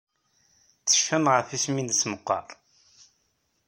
Tecfamt ɣef yisem-nnes meqqar?